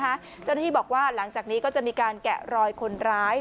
เจ้าหน้าที่บอกว่าหลังจากนี้ก็จะมีการแกะรอยคนร้าย